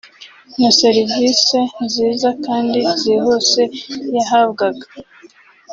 na serivise nziza kandi zihuse yahabwaga